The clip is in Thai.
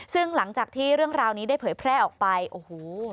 ซึ่งหลังจากที่เรื่องราวนี้ได้เผยแพร่ออกไปโอ้โห